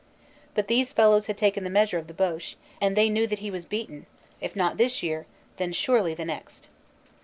But these fellows had taken the measure of the Boche. and they knew that he was beaten, if not this year, then surely the next.